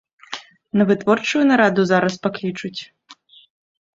На вытворчую нараду зараз паклічуць.